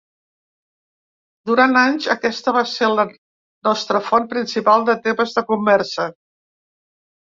Durant anys, aquesta va ser la nostra font principal de temes de conversa.